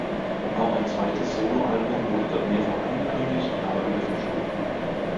Auch ein zweites Soloalbum wurde dort mehrfach angekündigt, aber wieder verschoben.